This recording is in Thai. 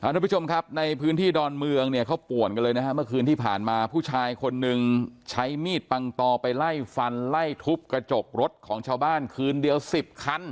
ทุกผู้ชมครับในพื้นที่ดอนเมืองเนี่ยเขาป่วนกันเลยนะฮะเมื่อคืนที่ผ่านมาผู้ชายคนนึงใช้มีดปังตอไปไล่ฟันไล่ทุบกระจกรถของชาวบ้านคืนเดียว๑๐คัน